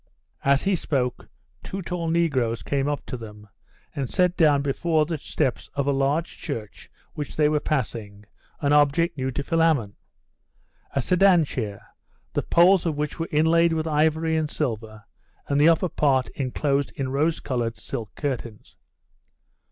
As he spoke, two tall negroes came up to them, and set down before the steps of a large church which they were passing an object new to Philammon a sedan chair, the poles of which were inlaid with ivory and silver, and the upper part enclosed in rose coloured silk curtains.